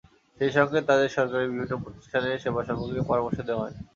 সেই সঙ্গে তাঁদের সরকারি বিভিন্ন প্রতিষ্ঠানের সেবা সম্পর্কে পরামর্শ দেওয়া হয়।